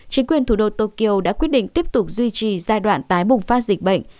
chính quyền thủ đô tokyo đã quyết định tiếp tục duy trì giai đoạn tái bùng phát dịch bệnh